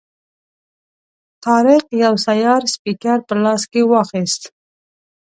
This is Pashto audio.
طارق یو سیار سپیکر په لاس کې واخیست.